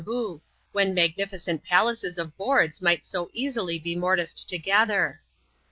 boo, when magnificent palaces of boards migbt so easily be morticed together.